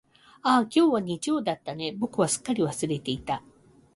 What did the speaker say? ああ、今日は日曜だったんだね、僕すっかり忘れていた。